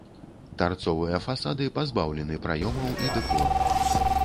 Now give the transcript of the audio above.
Тарцовыя фасады пазбаўлены праёмаў і дэкору.